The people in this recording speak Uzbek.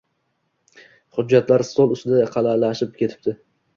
Hujjatlar stol ustida qalashib ketibdi